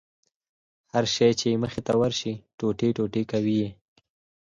هر شى چې مخې ته يې ورسي ټوټې ټوټې کوي يې.